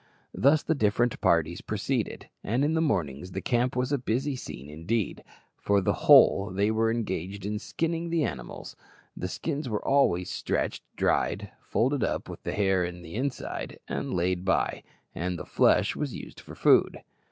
Thus the different parties proceeded; and in the mornings the camp was a busy scene indeed, for then the whole were engaged in skinning the animals. The skins were always stretched, dried, folded up with the hair in the inside, and laid by; and the flesh was used for food.